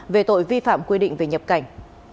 về tội vi phạm quy định về nhập cảnh